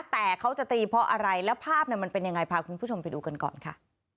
แต่เขาจะตีเพราะอะไรแล้วภาพมันเป็นยังไงพาคุณผู้ชมไปดูกันก่อนค่ะ